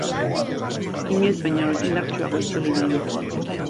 Inoiz baino indartsuagoa itzuli nahi dut.